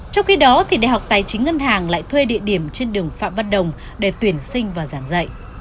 trong khi đó đại học tài chính ngân hàng lại thuê địa điểm trên đường phạm văn đồng để tuyển sinh và giảng dạy